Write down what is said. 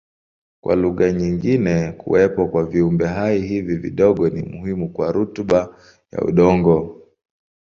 Kwa lugha nyingine kuwepo kwa viumbehai hivi vidogo ni muhimu kwa rutuba ya udongo.